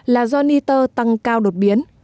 là do niter tăng cao đột biến